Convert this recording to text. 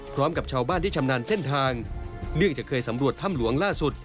พร้อมกับชาวบ้านที่ชำนาญเส้นทางเนื่องจากเคยสำรวจถ้ำหลวงล่าสุด